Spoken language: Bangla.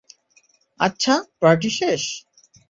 আচ্ছা, পার্টি শেষ!